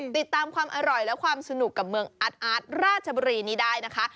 ติดตามความอร่อยและความสนุกกับเมืองอาร์ตราชบุรีนี้ได้นะคะ